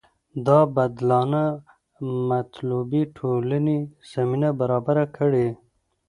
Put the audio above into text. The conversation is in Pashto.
دا بدلانه د مطلوبې ټولنې زمینه برابره کړي.